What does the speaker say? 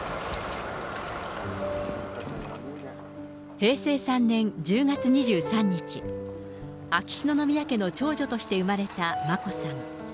平成３年１０月２３日、秋篠宮家の長女として生まれた眞子さん。